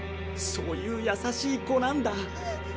そういうやさしい子なんだ。